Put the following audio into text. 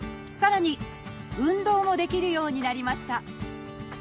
さらに運動もできるようになりました。